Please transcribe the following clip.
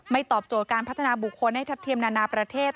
ตอบโจทย์การพัฒนาบุคคลให้ทัศเทียมนานาประเทศ